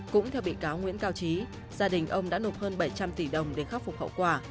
cũng theo bị cáo nguyễn cao trí gia đình ông đã nộp hơn bảy trăm linh tỷ đồng để khắc phục hậu quả